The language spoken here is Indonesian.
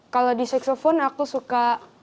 kalau di siklephone aku suka